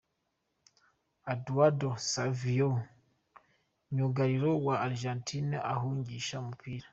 Eduardo Salvio myugariro wa Argentina ahungisha umupira .